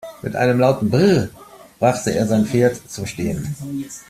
Mit einem lauten "Brrr!" brachte er sein Pferd zum Stehen.